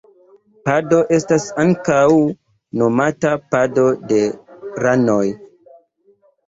Pado esta ankaŭ nomata pado de ranoj.